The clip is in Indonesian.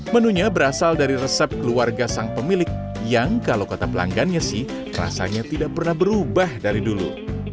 menunya berasal dari resep keluarga sang pemilik yang kalau kata pelanggannya sih rasanya tidak pernah berubah dari dulu